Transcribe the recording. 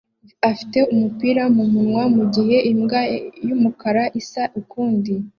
ifite umupira mumunwa mugihe imbwa yumukara isa ukundi